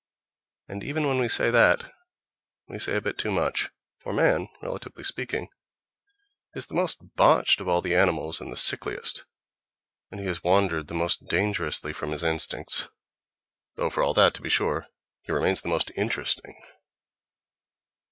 And even when we say that we say a bit too much, for man, relatively speaking, is the most botched of all the animals and the sickliest, and he has wandered the most dangerously from his instincts—though for all that, to be sure, he remains the most interesting!